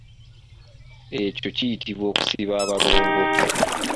Ekyo kiyitibwa okusiba abolongo.